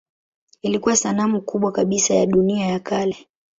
Ilikuwa sanamu kubwa kabisa ya dunia ya kale.